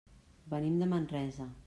Venim de Manresa.